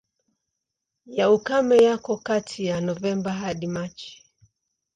Ya ukame yako kati ya Novemba hadi Machi.